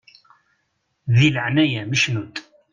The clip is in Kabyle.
Di leɛnaya-m cnu-d!